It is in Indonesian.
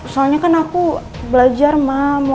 soalnya kan aku belajar ma